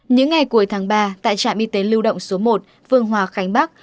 những ngày cuối tháng ba tại trạm y tế lưu động số một phương hòa khánh bắc